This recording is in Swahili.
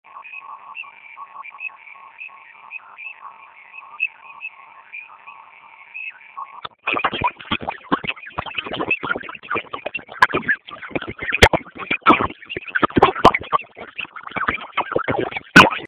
Gazeti la East African limepata taarifa kuwa Kenya na Uganda walikataa uamuzi wa zoezi la uhakiki lililotakiwa kufanyika